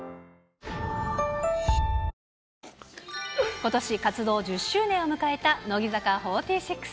ことし活動１０周年を迎えた乃木坂４６。